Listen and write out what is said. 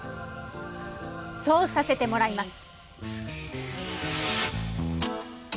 そうさせてもらいます。